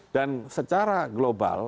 dan secara global